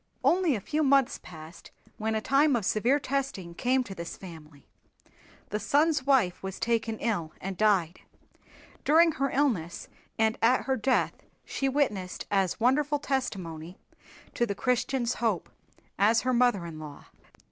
Only a few months passed when a time of severe testing came to this family. The son's wife was taken ill and died. During her illness and at her death she witnessed as wonderful testimony to the Christian's hope as her mother in law.